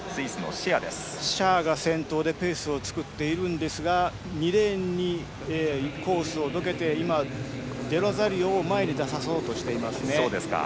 シェアが先頭でペースを作っていますが２レーンにコースをどけて今、デロザリオを前に出さそうとしています。